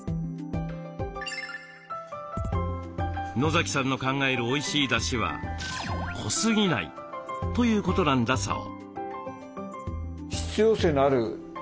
野さんの考えるおいしいだしは濃すぎないということなんだそう。